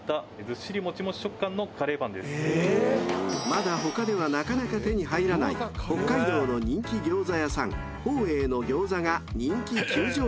［まだ他ではなかなか手に入らない北海道の人気餃子屋さん宝永の餃子が人気急上昇］